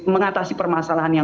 mengatasi permasalahan yang